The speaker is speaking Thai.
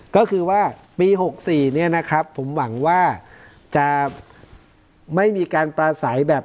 ก็คือว่าปี๖๔เนี่ยนะครับผมหวังว่าจะไม่มีการปลาใสแบบ